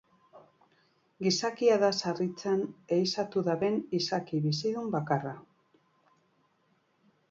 Gizakia da sarritan ehizatu duen izaki bizidun bakarra.